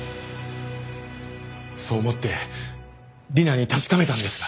そう思って理奈に確かめたんですが。